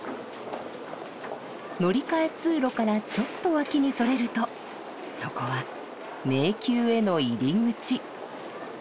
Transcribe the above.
乗り換え通路からちょっと脇にそれるとそこは迷宮への入り口。